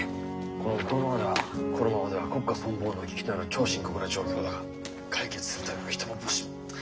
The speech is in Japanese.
このままではこのままでは国家存亡の危機となる超深刻な状況だが解決するための人も物資も。